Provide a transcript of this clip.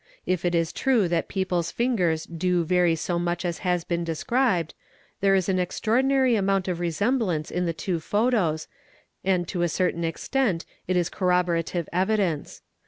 If it is true that people's fingers do vary so much as has been described there is an extraordinary amount of resemblance in the two photos and to a certain extent it is corroborative evidence.